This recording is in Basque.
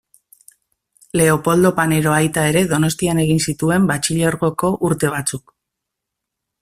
Leopoldo Panero aita ere Donostian egin zituen Batxilergoko urte batzuk.